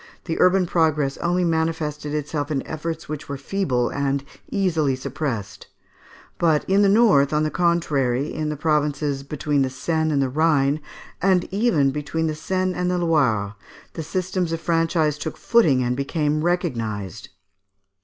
the urban progress only manifested itself in efforts which were feeble and easily suppressed; but in the north, on the contrary, in the provinces between the Seine and the Rhine, and even between the Seine and the Loire, the system of franchise took footing and became recognised.